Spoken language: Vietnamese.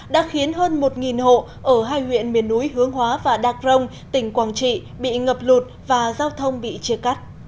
đã khiến hơn một hộ ở hai huyện miền núi hướng hóa và đạc rồng tỉnh quảng trị bị ngập lụt và giao thông bị chia cắt